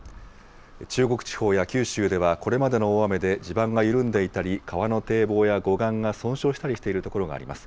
中国地方や九州では、これまでの大雨で地盤が緩んでいたり、川の堤防や護岸が損傷したりしている所があります。